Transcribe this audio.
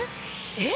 えっ？